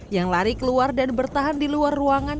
yang lari keluar dan bertahan di luar ruangan